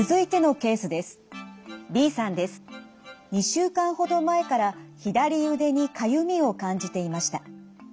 ２週間ほど前から左腕にかゆみを感じていました。